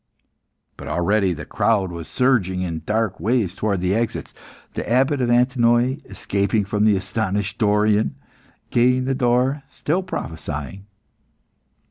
But already the crowd was surging in dark waves towards the exits. The Abbot of Antinoe, escaping from the astonished Dorion, gained the door, still prophesying.